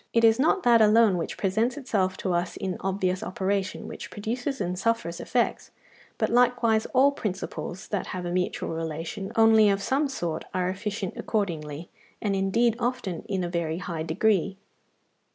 It is not that alone which presents itself to us in obvious operation which produces and suffers effects, but likewise all principles that have a mutual relation only of some sort are efficient accordingly, and indeed often in a very high degree.